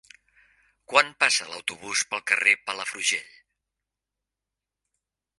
Quan passa l'autobús pel carrer Palafrugell?